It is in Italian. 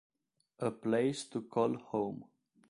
A Place to Call Home